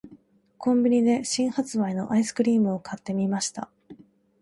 •コンビニで新発売のアイスクリームを買ってみました。